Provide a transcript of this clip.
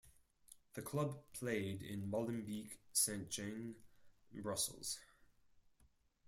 The club played in Molenbeek-Saint-Jean, Brussels.